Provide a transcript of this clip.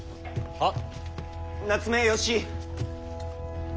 はっ。